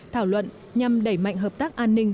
thảo luận nhằm đẩy mạnh hợp tác an ninh